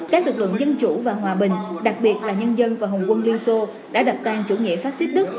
các lực lượng dân chủ và hòa bình đặc biệt là nhân dân và hồng quân liên xô đã đập tàn chủ nghĩa phát xít đức